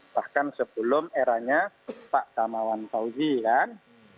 bahkan sebelum eranya pak damawan fauzi kan